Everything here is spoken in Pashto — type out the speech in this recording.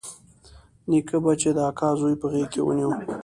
نيکه به چې د اکا زوى په غېږ کښې ونيو.